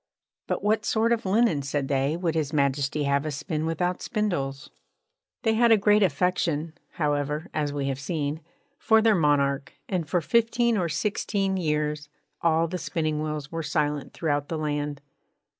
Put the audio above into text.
'But what sort of linen,' said they, 'would His Majesty have us spin without spindles?' They had a great affection, however (as we have seen), for their monarch; and for fifteen or sixteen years all the spinning wheels were silent throughout the land.